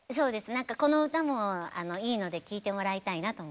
何かこの歌もいいので聴いてもらいたいなと思って。